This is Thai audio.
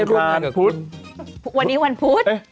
วันนี้วันพุธ